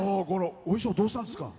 お衣装どうしたんですか。